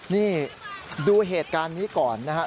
นี่ดูเหตุการณ์นี้ก่อนนะครับ